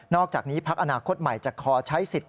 อกจากนี้พักอนาคตใหม่จะขอใช้สิทธิ์